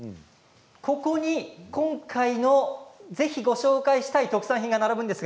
ここに今回の、ぜひご紹介したい特産品が並ぶんです。